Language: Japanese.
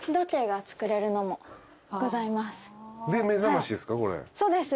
で目覚ましですか？